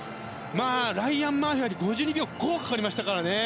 ライアン・マーフィーは５２秒５かかりましたからね。